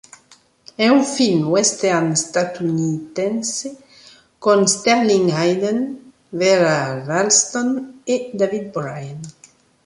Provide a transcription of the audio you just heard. È un film western statunitense con Sterling Hayden, Vera Ralston e David Brian.